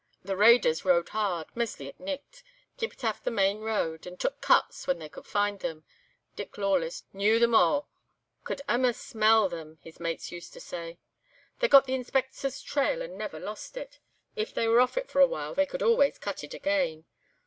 The raiders rode hard, maistly at nicht, keepit aff the main road, and took 'cuts' when they could find them. Dick Lawless knew them a', could amaist smell them, his mates used to say. "They got the Inspector's trail and never lost it; if they were off it for a while, they could always 'cut' it again.